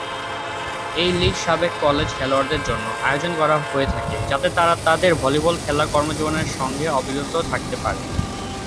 এই লীগ সাবেক কলেজ খেলোয়াড়দের জন্য আয়োজন করা হয়ে থাকে, যাতে তারা তাদের ভলিবল খেলা কর্মজীবনের সঙ্গে অবিরত থাকতে পারে।